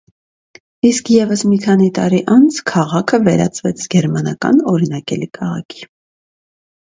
Իսկ ևս մի քանի տարի անց քաղաքը վերածվեց գերմանական օրինակելի քաղաքի։